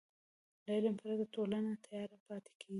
له علم پرته ټولنه تیاره پاتې کېږي.